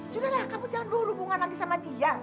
sudahlah kamu jangan berhubungan lagi sama dia